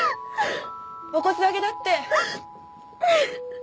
お骨上げだって。